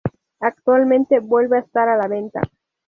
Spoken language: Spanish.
Actualmente vuelve a estar a la venta.